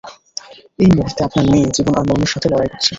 এই মুহূর্তে, আপনার মেয়ে জীবন আর মরনের সাথে লড়াই করছে।